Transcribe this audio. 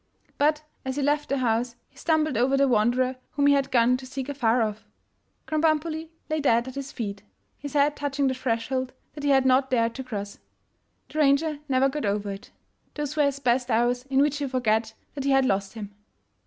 But as he left the house, he stumbled over the wanderer whom he had gone to seek afar off. Krambambuli lay dead at his feet, his head touching the threshold that he had not dared to cross. The ranger never got over it. Those were his best hours in which he forgot that he had lost him.